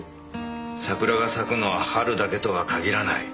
桜が咲くのは春だけとは限らない。